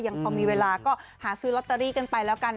พอมีเวลาก็หาซื้อลอตเตอรี่กันไปแล้วกัน